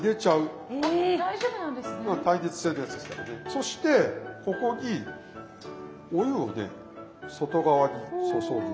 そしてここにお湯をね外側に注ぐ。